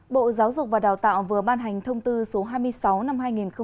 bộ giáo dục và đào tạo vừa ban hành thông tư số hai mươi sáu năm hai nghìn một mươi chín